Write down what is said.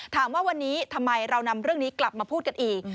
ถามว่าวันนี้ทำไมเรานำเรื่องนี้กลับมาพูดกันอีก